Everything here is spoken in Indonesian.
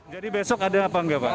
jadi besok ada apa enggak pak